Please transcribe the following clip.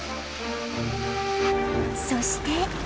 そして